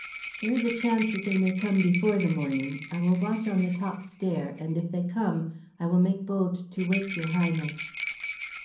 "There is a chance that they may come before the morning. I will watch on the top stair, and if they come I will make bold to wake your Highness."